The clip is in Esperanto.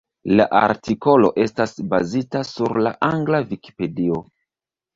La artikolo estas bazita sur la angla Vikipedio.